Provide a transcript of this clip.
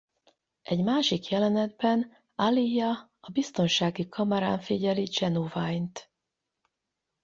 Egy másik jelenetben Aaliyah a biztonsági kamerán figyeli Ginuwine-t.